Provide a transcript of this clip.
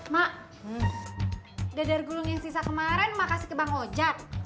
mak dadar gulung yang sisa kemarin emak kasih ke bang hojak